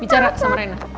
bicara sama rena